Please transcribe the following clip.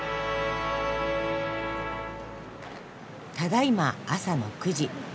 ただいま朝の９時。